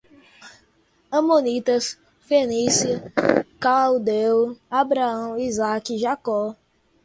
Amonitas, Fenícia, caldeu, Abraão, Isaac, Jacó